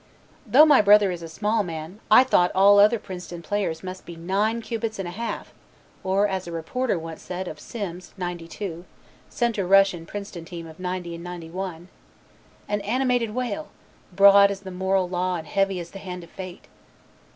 Though my brother is a small man, I thought all other Princeton players must be 9 cubits and a half, or as a reporter once said of Symmes '92, center rush in Princeton team of '90 and '91, "An animated whale, broad as the moral law and heavy as the hand of fate."